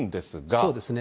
そうですね。